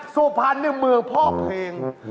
สู่พันธุ์นี่มือพ่อเพลง